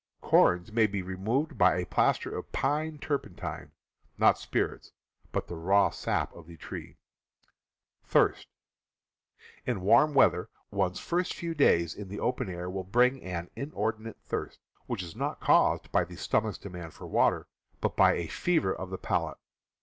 Corns may be removed by a plaster of pine turpentine (not spirits, but the raw sap of the tree). In warm weather, one's first few days in the open air will bring an inordinate thirst, which is not caused ^,. by the stomach's demand for water, but by a fever of the palate.